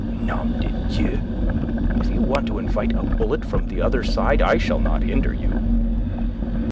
"Nom de Dieu! If you want to invite a bullet from the other side, I shall not hinder you.